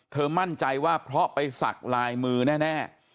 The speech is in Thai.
เธอมั่นใจว่าเพราะไปสักลายมือแน่